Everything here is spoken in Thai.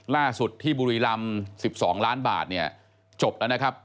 ล่าสุดที่บุรีรำ๑๒ล้านบาทเนี่ยจบแล้วนะครับ